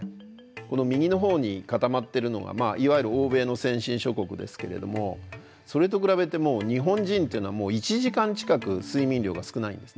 右のほうに固まってるのがいわゆる欧米の先進諸国ですけれどもそれと比べて日本人っていうのは１時間近く睡眠量が少ないんですね。